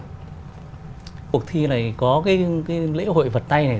cuộc thi này có cái lễ hội vật tay này